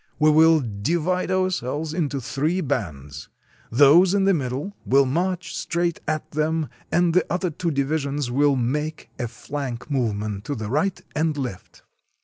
We will di vide ourselves into three bands. Those in the middle will march straight at them, and the other two divisions will make a flank movement to the right and left.